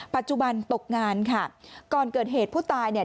ปัจจุบันตกงานค่ะก่อนเกิดเหตุผู้ตายเนี่ย